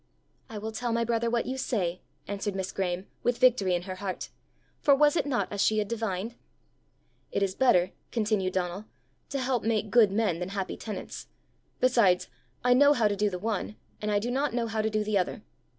"I will tell my brother what you say," answered Miss Graeme, with victory in her heart for was it not as she had divined? "It is better," continued Donal, "to help make good men than happy tenants. Besides, I know how to do the one, and I do not know how to do the other.